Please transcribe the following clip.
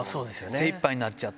精いっぱいになっちゃって。